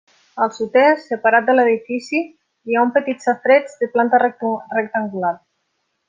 Al sud-est, separat de l'edifici, hi ha un petit safareig de planta rectangular.